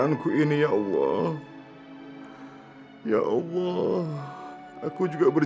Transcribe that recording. yang memang didalamnya ada hak orang lain